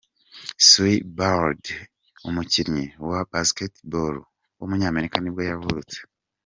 Sue Bird, umukinnyi wa basketball w’umunyamerika ni bwo yavutse.